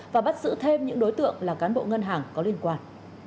và bắt giữ thêm những đối tượng là cán bộ ngân hàng có liên quan